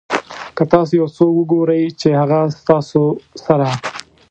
که تاسو یو څوک وګورئ چې هغه ستاسو سره.